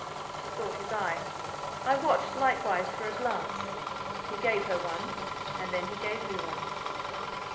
She sought his eye. I watched, likewise, for a glance. He gave her one, and then he gave me one.